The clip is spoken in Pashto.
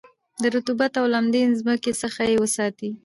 د رطوبت او لمدې مځکې څخه یې وساتی.